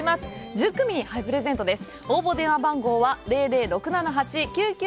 １０組にプレゼントです。